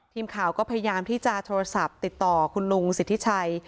ทีมข่าวก็พยายามที่จะโทรศัพท์ติดต่อคุณลุงสิทธิชัย